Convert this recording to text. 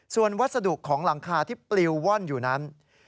ส่วนวัสดุของหลังคาที่ปลิวว่อนอยู่นั้น